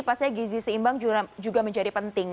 pasti gizi seimbang juga menjadi penting